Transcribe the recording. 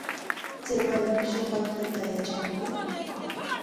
¿Chay warmi shuqakuyta yatranku?